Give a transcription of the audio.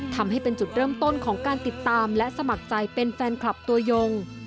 ทำให้เป็นจุดเริ่มต้นของการติดตามและสมัครใจเป็นแฟนคลับตัวยง